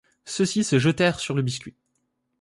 Ceux-ci se jetèrent sur le biscuit